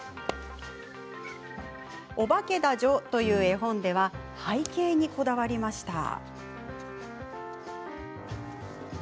「おばけだじょ」という絵本では背景にこだわりました。